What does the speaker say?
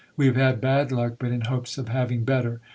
We have had bad luck, but in hopes of having better.